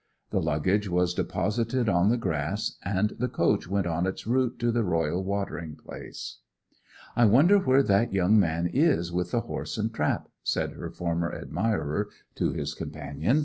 The luggage was deposited on the grass, and the coach went on its route to the royal watering place. 'I wonder where that young man is with the horse and trap?' said her former admirer to his companion.